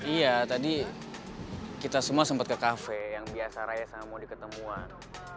iya tadi kita semua sempat ke kafe yang biasa raya sama di ketemuan